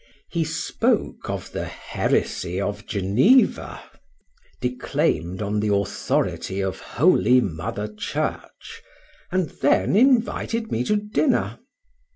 He spoke of the heresy of Geneva, declaimed on the authority of holy mother church, and then invited me to dinner.